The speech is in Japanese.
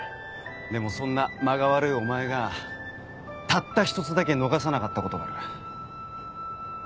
でもそんな間が悪いお前がたった一つだけ逃さなかったことがある。